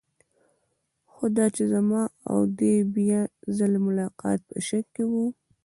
خو دا چې زما او د دې بیا ځلې ملاقات په شک کې و.